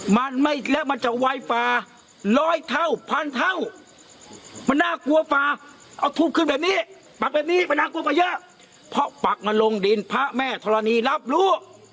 มันไม่แล้วมันจะไวฝ่าร้อยเท่าพันเท่ามันน่ากลัวฝ่าเอาทูบขึ้นแบบนี้ปักแบบนี้มันน่ากลัวไปเยอะเพราะปักมาลงดินพระแม่ธรณีรับรู้